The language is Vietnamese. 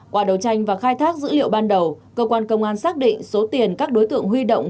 qua đấu tranh và khai thác dữ liệu ban đầu cơ quan công an xác định số tiền các đối tượng huy động